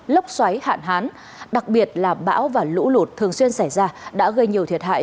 lốc xoáy hạn hán đặc biệt là bão và lũ lụt thường xuyên xảy ra đã gây nhiều thiệt hại